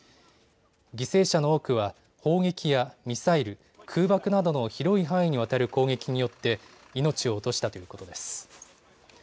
犠牲者の多くは砲撃やミサイル、空爆などの広い範囲にわたる攻撃によって命を落としたということです。